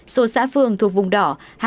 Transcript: số xã phường thuộc vùng đỏ